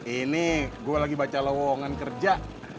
ini gue lagi baca lowongan kerja